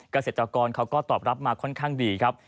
เกษตรกรเขาก็ตอบรับมาค่อนข้างดีครับ